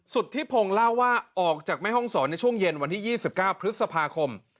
สุธิพงศ์เล่าว่าออกจากแม่ห้องศรในช่วงเย็นวันที่๒๙พฤษภาคม